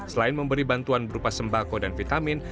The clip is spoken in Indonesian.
selain memberi bantuan berupa sembako dan vitamin